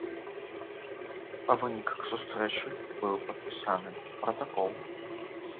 Па выніках сустрэчы быў падпісаны пратакол.